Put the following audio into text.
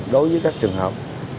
đối với các trường hợp